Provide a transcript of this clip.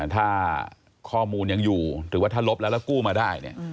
ถ้าข้อมูลยังอยู่หรือว่าถ้าลบแล้วแล้วกู้มาได้